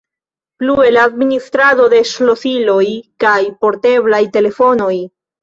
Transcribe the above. Plue la administrado de ŝlosiloj kaj porteblaj telefonoj.